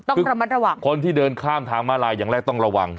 ต้องระมัดระวังคนที่เดินข้ามทางมาลายอย่างแรกต้องระวัง